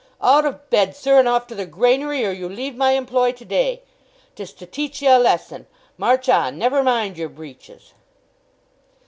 "Out of bed, sir, and off to the granary, or you leave my employ to day! 'Tis to teach ye a lesson. March on; never mind your breeches!"